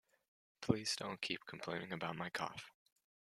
Please don't keep complaining about my cough